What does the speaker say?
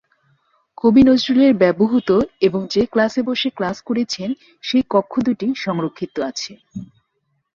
কবি নজরুলের ব্যবহূত এবং যে ক্লাসে বসে ক্লাস করেছেন সেই কক্ষ দুটি সংরক্ষিত আছে।